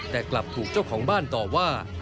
แต่กลับถูกเจ้าของบ้านต่อว่า